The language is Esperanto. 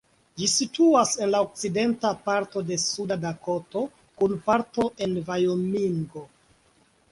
Ĝi situas en la okcidenta parto de Suda Dakoto, kun parto en Vajomingo.